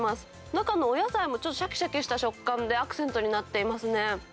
中のお野菜も、ちょっとしゃきしゃきした食感で、アクセントになっていますね。